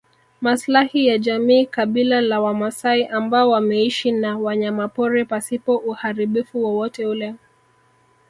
Maslahi ya jamii kabila la wamaasai ambao wameishi na wanyamapori pasipo uharibifu wowote ule